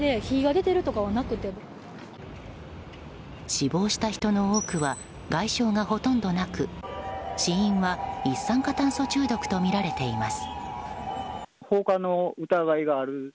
死亡した人の多くは外傷がほとんどなく死因は一酸化炭素中毒とみられています。